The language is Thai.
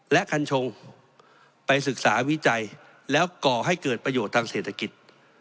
และกัญชงไปศึกษาวิจัยแล้วก่อให้เกิดประโยชน์ทางเศรษฐกิจ